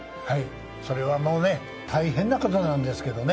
それはもう大変なことなんですけど。